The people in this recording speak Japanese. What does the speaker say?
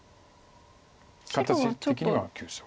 形的には急所。